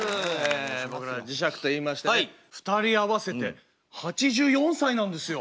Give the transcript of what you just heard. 僕ら磁石といいましてね２人合わせて８４歳なんですよ。